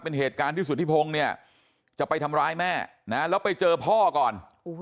เป็นเหตุการณ์ที่สุธิพงศ์เนี่ยจะไปทำร้ายแม่นะแล้วไปเจอพ่อก่อน